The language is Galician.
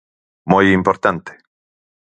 Moi importante.